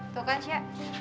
tuh kan sya